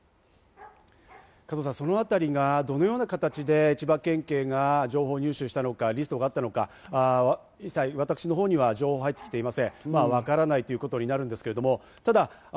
加藤さん、その辺りがどのような形で千葉県警が情報を入手したのか、リストがあったのか、一切、私の方には情報は入ってきていません。